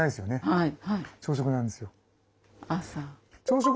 はい。